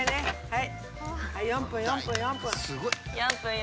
はい４分４分４分。